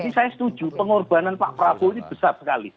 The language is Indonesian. jadi saya setuju pengorbanan pak prabowo ini besar sekali